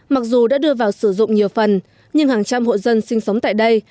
mặc dù đã đưa vào sử dụng nhiều phần nhưng hàng trăm hộ dân sinh sống tại đây